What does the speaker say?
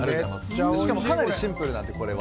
しかもかなりシンプルなので、これは。